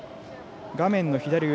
画面の左上